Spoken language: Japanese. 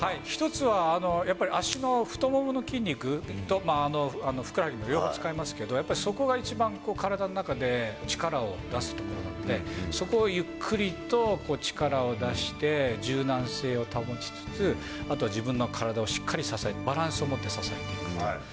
１つはやっぱり足の太ももの筋肉と、ふくらはぎ両方使いますけれども、やっぱり、そこが一番、体の中で力を出す所なんで、そこをゆっくりと力を出して、柔軟性を保ちつつ、あとは自分の体をしっかり支えていく、バランスを持って支えていくと。